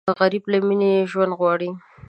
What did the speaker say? غریب له مینې ژوند غواړي